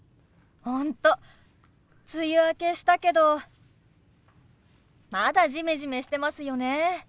本当梅雨明けしたけどまだジメジメしてますよね。